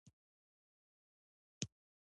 ذهن يو سافټ وئېر دے